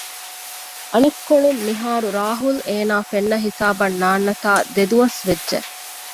އަނެއްކޮޅުން މިހާރު ރާހުލް އޭނާ ފެންނަ ހިސާބަށް ނާންނަތާ ދެދުވަސް ވެއްޖެ